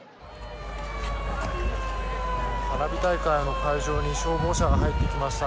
花火大会の会場に消防車が入ってきました。